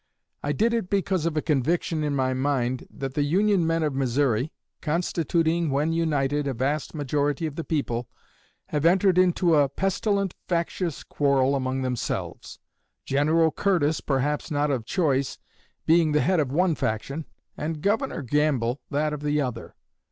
I did it because of a conviction in my mind that the Union men of Missouri, constituting, when united, a vast majority of the people, have entered into a pestilent, factious quarrel among themselves; General Curtis, perhaps not of choice, being the head of one faction, and Governor Gamble that of the other.